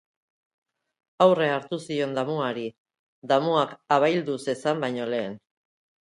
Aurrea hartu zion damuari, damuak abaildu zezan baino lehen.